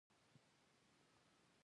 سنګه یی